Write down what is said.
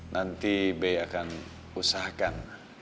nanti be akan usahakan